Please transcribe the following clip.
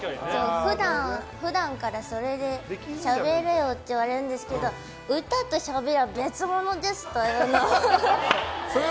普段からそれでしゃべれよって言われるんですけど歌としゃべりは別物ですというのを。